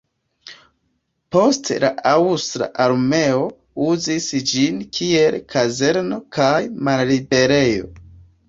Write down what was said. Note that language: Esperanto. Poste la aŭstra armeo uzis ĝin kiel kazerno kaj malliberejo.